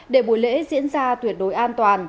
để buổi lễ diễn ra tuyệt đối an toàn